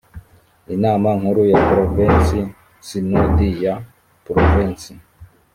inama nkuru ya provensi sinodi ya provensi